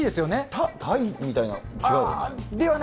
タイみたいな、違うかな？